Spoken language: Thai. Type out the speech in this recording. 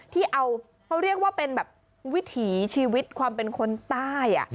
ที่เอาเขาเรียกว่าเป็นแบบวิถีชีวิตความเป็นคนใต้